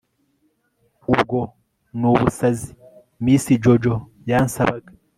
ubwo n'ubusazi, miss jojo yansabaga